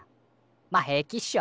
まあ平気っしょ。